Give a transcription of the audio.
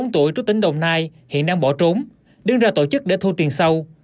bốn mươi tuổi trú tỉnh đồng nai hiện đang bỏ trốn đứng ra tổ chức để thu tiền sâu